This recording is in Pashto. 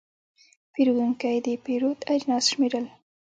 پیرودونکی د پیرود اجناس شمېرل.